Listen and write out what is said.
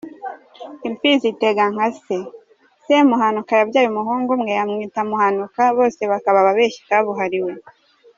Imfizi itega nka se! Semuhanuka yabyaye umuhungu umwe, amwita Muhanuka, bose bakaba ababeshyi kabuhariwe.